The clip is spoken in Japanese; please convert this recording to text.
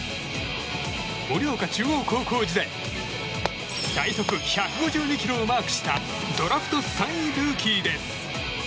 盛岡中央高校時代最速１５２キロをマークしたドラフト３位ルーキーです。